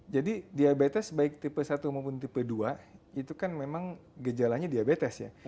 jadi diabetes baik tipe satu maupun tipe dua itu kan memang gejalanya diabetes ya